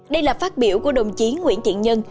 đây là phát biểu của đồng chí nguyễn thiện nhân